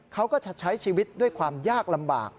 เขาก็จะใช้ชีวิตด้วยความยากลำบาก